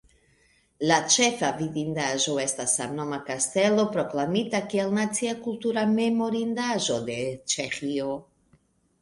La ĉefa vidindaĵo estas samnoma kastelo, proklamita kiel Nacia kultura memorindaĵo de Ĉeĥio.